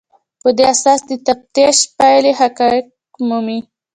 په دې اساس د تفتیش پایلې تحقق مومي.